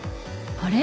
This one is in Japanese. あれ？